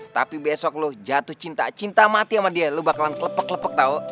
tapi besok lo jatuh cinta cinta mati sama dia lo bakalan kelepek kelepek tau